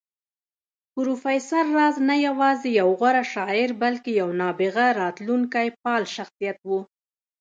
پروفېسر راز نه يوازې يو غوره شاعر بلکې يو نابغه راتلونکی پال شخصيت و